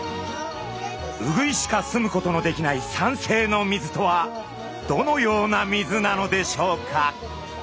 ウグイしか住むことのできない酸性の水とはどのような水なのでしょうか？